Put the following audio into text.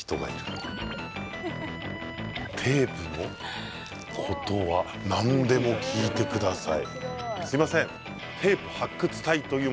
テープのことは何でも聞いてください。